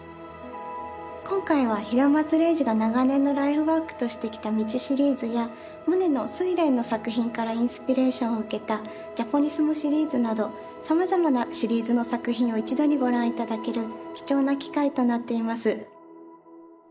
今回は平松礼二が長年のライフワークとしてきた「路シリーズ」やモネの「睡蓮」の作品からインスピレーションを受けた「ジャポニスムシリーズ」などさまざまなシリーズの作品を一度にご覧頂ける貴重な機会となっています。